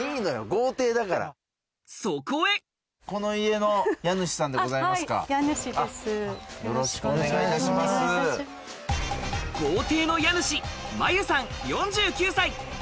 豪邸の家主・まゆさん、４９歳。